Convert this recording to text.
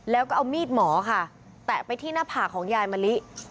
แล้วก็เอามีดหมอค่ะแตะไปที่หน้าผากของยายมะลิ